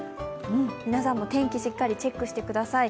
皆さんも、天気しっかりチェックしてください。